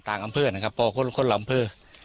ต่างหมู่บ้านต่างอำเภอนะครับคนละอำเภอ